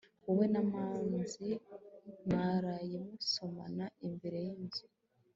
wowe na manzi mwaraye musomana imbere yinzu